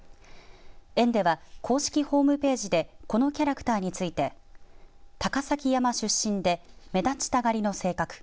園では公式ホームページでこのキャラクターについて高崎山出身で目立ちたがりの性格。